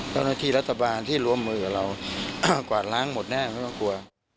รัฐบาลที่ร่วมมือกับเราอ้าวกวาดล้างหมดแน่ไม่ต้องกลัว